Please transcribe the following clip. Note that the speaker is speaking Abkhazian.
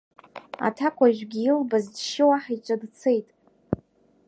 Аҭакәажәгьы илбаз џьшьо, аҳ иҿы дцет.